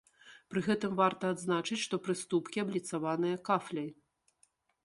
Пры гэтым варта адзначыць, што прыступкі абліцаваныя кафляй.